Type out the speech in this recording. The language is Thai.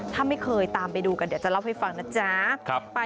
ถ้าไม่เคยตามไปดูกันเดี๋ยวจะเล่าให้ฟังนะจ๊ะ